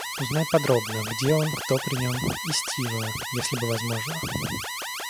Узнай подробно, где он, кто при нем. И Стива... если бы возможно!